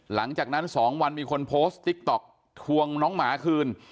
หลังจากนั้น๒วันมีคนโพสต์ติ๊กต๊อกทวงน้องหมาคืน